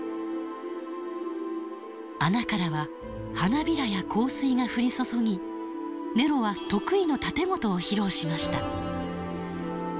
穴からは花びらや香水が降り注ぎネロは得意の竪琴を披露しました。